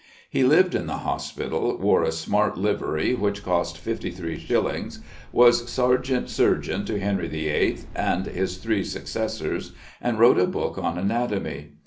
He lived in the hospital, wore a smart livery which cost fifty three shillings, was sergeant surgeon to Henry VIII. and his three successors, and wrote a book on anatomy.